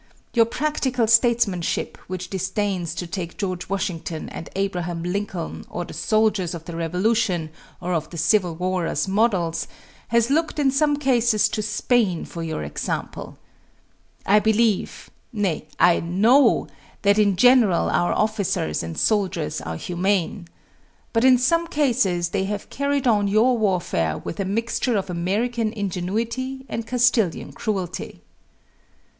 Your practical statesmanship which disdains to take George Washington and Abraham Lincoln or the soldiers of the Revolution or of the Civil War as models, has looked in some cases to Spain for your example. I believe nay, I know that in general our officers and soldiers are humane. But in some cases they have carried on your warfare with a mixture of American ingenuity and Castilian cruelty.